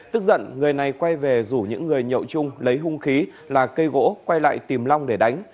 tức giận người này quay về rủ những người nhậu chung lấy hung khí là cây gỗ quay lại tìm long để đánh